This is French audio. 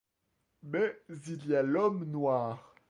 Mais il y a l’Homme noir.